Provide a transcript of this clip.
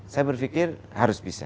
saya berpikir harus bisa